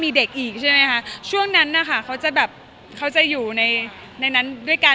มีเด็กอีกใช่ไหมคะช่วงนั้นน่ะค่ะเขาจะอยู่ในนั้นด้วยกัน